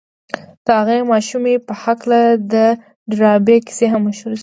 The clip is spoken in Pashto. د هغې ماشومې په هکله د ډاربي کيسه هم مشهوره ده.